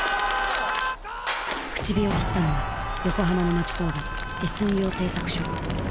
口火を切ったのは横浜の町工場Ｓ陽製作所。